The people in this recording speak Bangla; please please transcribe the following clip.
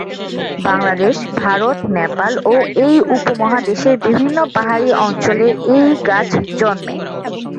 বাংলাদেশ, ভারত, নেপাল ও এ উপমহাদেশের বিভিন্ন পাহাড়ি অঞ্চলে এই গাছ জন্মে।